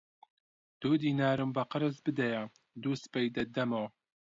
دوو دینارم بە قەرز بدەیە، دووسبەی دەتدەمەوە